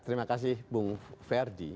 terima kasih bung ferdi